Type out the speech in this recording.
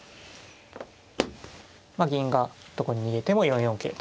銀がどこに逃げても４四桂と。